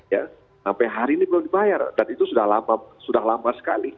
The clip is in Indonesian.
ya sampai hari ini belum dibayar dan itu sudah lama sudah lama sekali